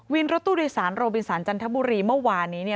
วินรถตู้โดยสารโรบินสารจันทบุรีเมื่อวานนี้